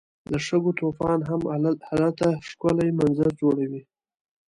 د شګو طوفان هم هلته ښکلی منظر جوړوي.